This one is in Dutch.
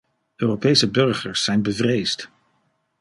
Europese burgers zijn bevreesd.